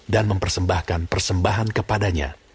dan mempersembahkan persembahan kepadanya